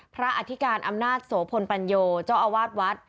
อธิการอำนาจโสพลปัญโยเจ้าอาวาสวัด